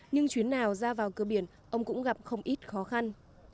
nhưng chuyến nào ra vào cơ biển ông cũng gặp không ít khó khăn